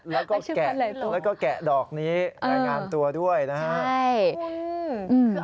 แล้วก็แกะดอกนี้รายงานตัวด้วยนะคะ